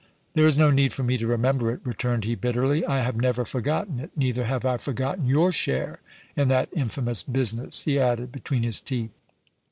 "There is no need for me to remember it," returned he, bitterly. "I have never forgotten it. Neither have I forgotten your share in that infamous business!" he added, between his teeth.